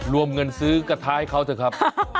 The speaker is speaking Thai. รวมเงินซื้อกระทะให้เขาเถอะครับ